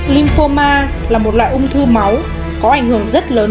linfoma là một loại ung thư máu có ảnh hưởng rất lớn